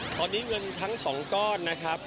ตอนนี้เงินทั้ง๒ก้อนนะครับ